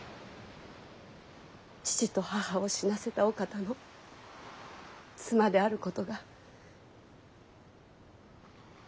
父と母を死なせたお方の妻であることが。